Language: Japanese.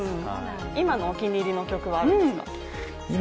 今のお気に入りの曲はあるんですか？